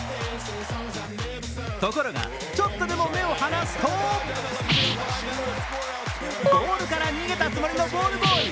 ところが、ちょっとでも目を離すとボールから逃げたつもりのボールボーイ。